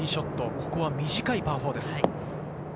ここは短いパー４です。